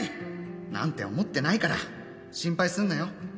「なんて思ってないから心配すんなよ」